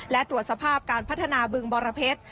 และตรวจสภาพการพัฒนาบึงบรเพชร